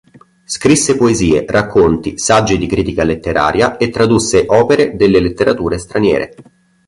Scrisse poesie, racconti, saggi di critica letteraria e tradusse opere delle letterature straniere.